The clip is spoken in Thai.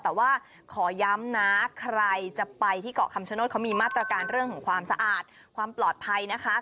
แต่ว่าขอย้ำนะใครจะไปที่เกาะคำชโนธเขามีมาตรการเรื่องของความสะอาดความปลอดภัยนะคะ